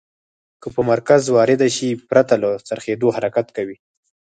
که په مرکز وارده شي پرته له څرخیدو حرکت کوي.